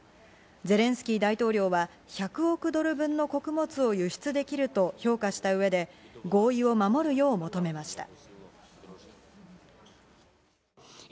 ゼレンスキー大統領は１００億ドル分の穀物を輸出できると評価した上で、合意を守るよう求めました。